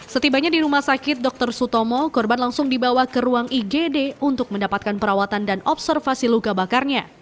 setibanya di rumah sakit dr sutomo korban langsung dibawa ke ruang igd untuk mendapatkan perawatan dan observasi luka bakarnya